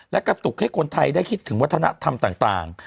และกระตุกให้คนไทยได้คิดถึงวัฒนธรรมต่าง